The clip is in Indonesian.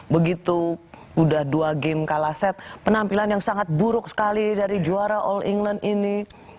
begitu udah dua game kalaset penampilan yang sangat buruk sekali dari juara all england ini